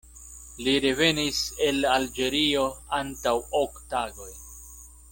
Li revenis el Alĝerio antaŭ ok tagoj.